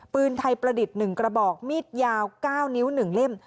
ปืนไทยประดิษฐ์หนึ่งกระบอกมีดยาวเก้านิ้วหนึ่งเล่ม